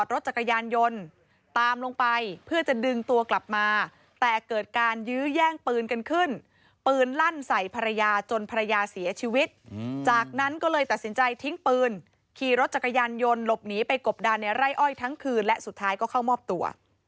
รถจักรยานยนต์ตามลงไปเพื่อจะดึงตัวกลับมาแต่เกิดการยื้อแย่งปืนกันขึ้นปืนลั่นใส่ภรรยาจนภรรยาเสียชีวิตจากนั้นก็เลยตัดสินใจทิ้งปืนขี่รถจักรยานยนต์หลบหนีไปกบดานในไร่อ้อยทั้งคืนและสุดท้ายก็เข้ามอบตัว